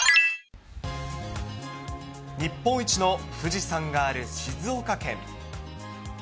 日本一の富士山がある静岡県。